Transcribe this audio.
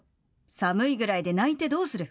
寒いぐらいで泣いてどうする。